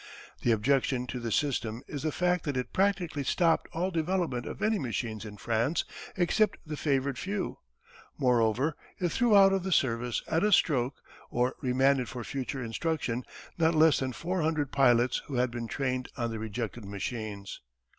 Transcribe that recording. The objection to the system is the fact that it practically stopped all development of any machines in France except the favoured few. Moreover it threw out of the service at a stroke, or remanded for further instruction, not less than four hundred pilots who had been trained on the rejected machines.